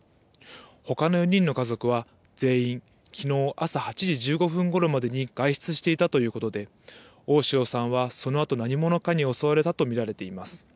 ほかの４人の家族は全員きのう朝８時１５分ごろまでに外出していたということで、大塩さんはそのあと、何者かに襲われたと見られています。